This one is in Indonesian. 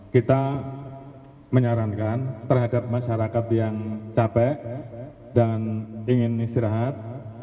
kita menyarankan terhadap masyarakat yang capek dan ingin istirahat